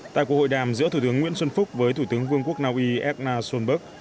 tại cuộc hội đàm giữa thủ tướng nguyễn xuân phúc với thủ tướng vương quốc naui erna sonberg